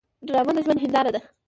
ډرامه د ژوند هنداره ده